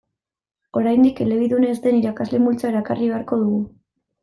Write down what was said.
Oraindik elebidun ez den irakasle multzoa erakarri beharko dugu.